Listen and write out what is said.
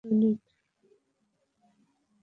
আমি একজন সৎ সৈনিক।